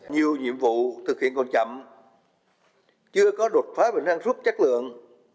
nhiều nhiệm vụ thực hiện còn chậm chưa có đột phá bình an suất chất lượng